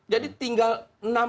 jadi tinggal nama